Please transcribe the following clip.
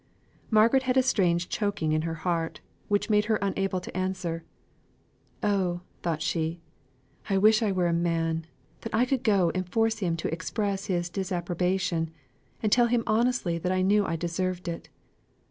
Margaret had a strange choking at her heart, which made her unable to answer, "Oh!" thought she, "I wish I were a man, that I could go and force him to express his disapprobation, and tell him honestly that I knew I deserved it.